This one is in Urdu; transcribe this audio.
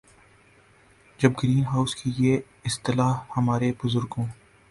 جب گرین ہاؤس کی یہ اصطلاح ہمارے بزرگوں